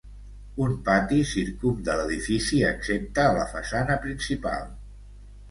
Un pati circumda l'edifici excepte a la façana principal.